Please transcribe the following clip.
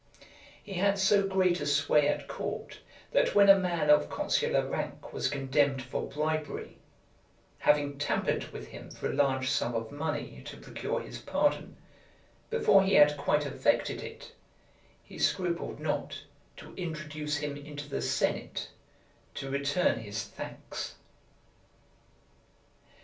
He had so great a sway at court, that when a man of consular rank was condemned for bribery, having tampered with him for a large sum of money, to procure his pardon; before he had quite effected it, he scrupled not to introduce him into the senate, to return his thanks.